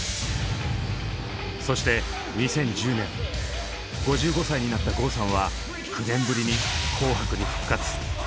そして２０１０年５５歳になった郷さんは９年ぶりに「紅白」に復活。